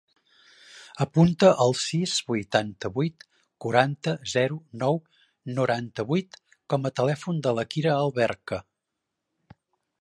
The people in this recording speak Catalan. Apunta el sis, vuitanta-vuit, quaranta, zero, nou, noranta-vuit com a telèfon de la Kira Alberca.